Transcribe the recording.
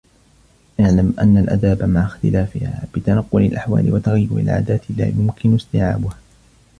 اعْلَمْ أَنَّ الْآدَابَ مَعَ اخْتِلَافِهَا بِتَنَقُّلِ الْأَحْوَالِ وَتَغَيُّرِ الْعَادَاتِ لَا يُمْكِنُ اسْتِيعَابُهَا